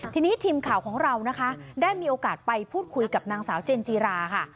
ทีนี้ทีมข่าวของเรานะคะได้มีโอกาสไปพูดคุยกับนางสาวเจนจีราค่ะ